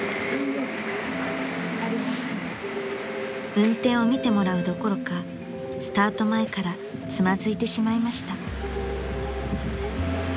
［運転を見てもらうどころかスタート前からつまずいてしまいました］